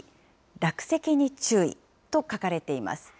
落石に注意！と書かれています。